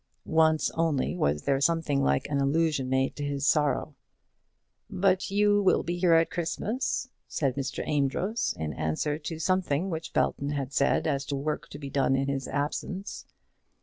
Once only was there something like an allusion made to his sorrow. "But you will be here at Christmas?" said Mr. Amedroz, in answer to something which Belton had said as to work to be done in his absence.